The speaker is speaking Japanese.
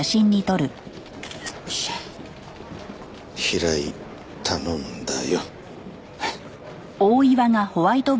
平井頼んだよ。